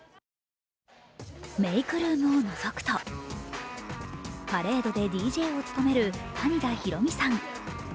メークルームをのぞくと、パレードでＤＪを務める谷田裕美さん。